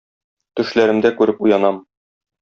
Төшләремдә күреп уянам.